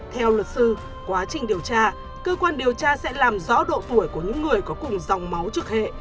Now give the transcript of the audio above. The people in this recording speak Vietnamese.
theo luật sư quá trình điều tra cơ quan điều tra sẽ làm rõ độ tuổi của những người có cùng dòng máu trực hệ